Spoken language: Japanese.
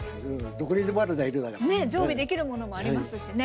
ねえ常備できるものもありますしね。